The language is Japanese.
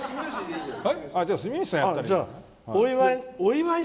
じゃあ、住吉さんやったらいい。